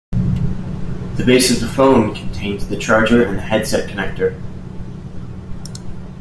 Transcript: The base of the phone contains the charger and headset connector.